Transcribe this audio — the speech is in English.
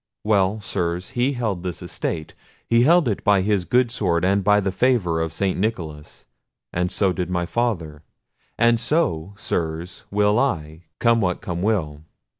Well, Sirs, he held this estate; he held it by his good sword and by the favour of St. Nicholas—so did my father; and so, Sirs, will I, come what come will.